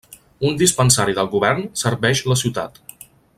Un dispensari del govern serveix la ciutat.